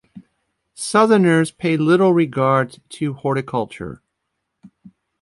Southerners pay little regard to horticulture.